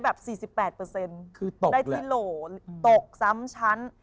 ได้ที่โหลตก๓ชั้น